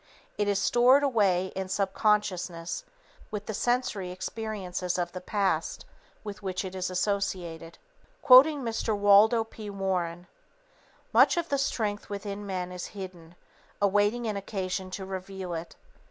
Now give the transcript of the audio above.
_ It is stored away in subconsciousness with the sensory experiences of the past with which it is associated. [Sidenote: Giving a Man Scope] Quoting Mr. Waldo P. Warren: "Much of the strength within men is hidden, awaiting an occasion to reveal it.